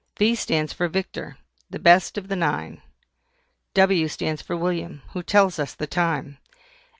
V stands for VICTOR, the best of the nine. W stands for WILLIAM, who tells us the time.